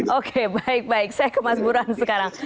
oke baik baik saya ke mas buran sekarang